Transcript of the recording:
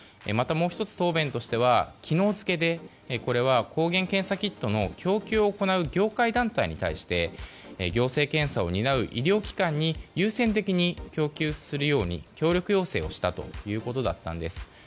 またもう１つ、答弁としては昨日付で抗原検査キットの供給を行う業界団体に対して行政検査を担う医療機関に優先的に供給するように協力要請をしたということでした。